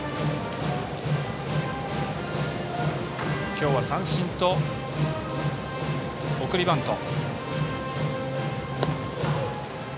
今日は三振と送りバント。